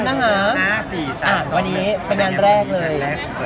วันนี้เป็นวันแรกเลย